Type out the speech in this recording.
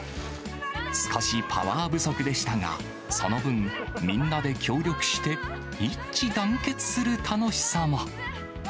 少しパワー不足でしたが、その分、みんなで協力して、一致団結する楽しさも。